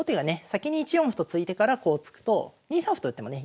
先に１四歩と突いてからこう突くと２三歩と打ってもね